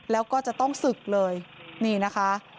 แล้วก็จะต้องศึกเลยนี่นะคะ